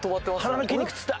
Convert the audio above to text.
腹の筋肉つった。